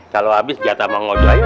kalau abis jatah bang ojo aja kasih